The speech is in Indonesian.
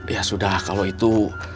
ya sudah kalau itu